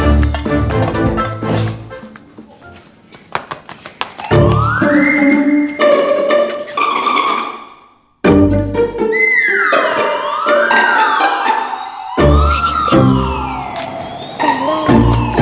hmm alat nyamuk mana